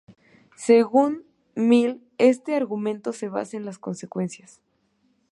Según Mill este argumento se basa en las consecuencias.